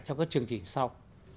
trong các chương trình sau